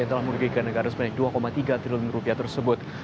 dalam murga negara sebanyak dua tiga triliun rupiah tersebut